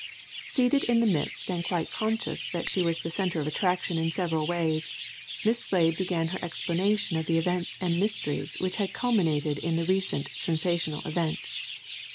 Seated in the midst and quite conscious that she was the centre of attraction in several ways, Miss Slade began her explanation of the events and mysteries which had culminated in the recent sensational event.